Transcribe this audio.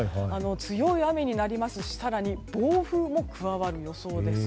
強い雨になりますし暴風も加わる予想です。